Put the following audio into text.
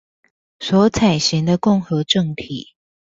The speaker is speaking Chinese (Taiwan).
所採行的共和政體